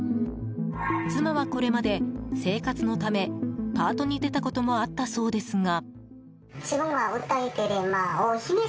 妻は、これまで生活のためパートに出たこともあったそうですが。